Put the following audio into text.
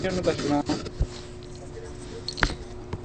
আমি কারো বাবা না, বুঝেছ।